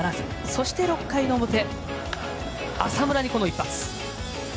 そして、６回浅村に、この一発。